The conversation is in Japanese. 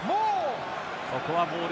ここはモール。